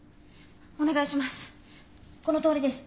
お願いします。